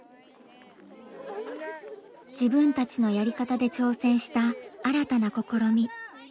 自分たちのやり方で挑戦した新たな試み。